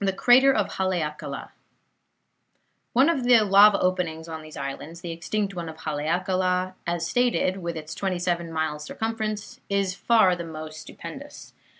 CRATER OF HALEAKALA Of the lava openings on these islands, the extinct one of Haleakala, as stated, with its twenty seven miles circumference, is far the most stupendous.